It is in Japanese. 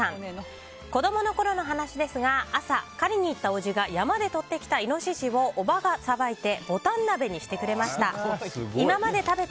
子供の頃の話ですが朝、狩りに行ったおじが山でとってきたイノシシをおばがさばいてボタン鍋にしてくれました。